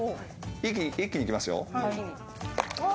一気に行きますよ。